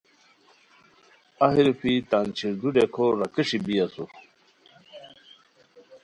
اہی روپھی تان چھیردو ڈیکو راکھیݰی بی اسور